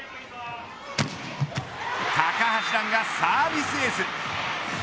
高橋藍がサービスエース。